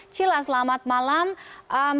cila selamat malam